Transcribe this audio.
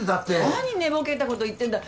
何寝ぼけたこと言ってんだ